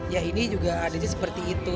ya ini juga adanya seperti itu